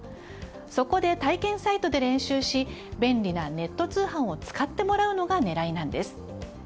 そこで、体験サイトで練習し便利なネット通販を使ってもらうのが狙いなんです。